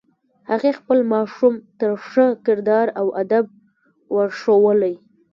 هغې خپل ماشوم ته ښه کردار او ادب ور ښوولی